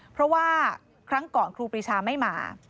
เพราะว่าครั้งก่อนครูปรีชาไม่มา